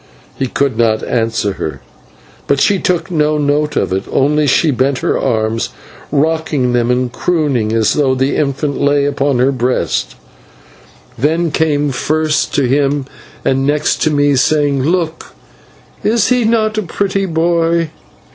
He could not answer her, but she took no note of it, only she bent her arms, rocking them and crooning as though the infant lay upon her breast, then came first to him and next to me, saying "Look, is he not a pretty boy?